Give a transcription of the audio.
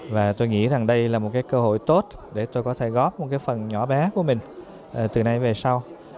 và tôi nghĩ rằng đây là một cái cơ hội tốt để tôi có thể góp một cái phần nhỏ bé của mình từ nay về sau